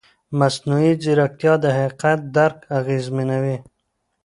مصنوعي ځیرکتیا د حقیقت درک اغېزمنوي.